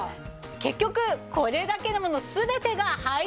結局これだけのもの全てが入りました！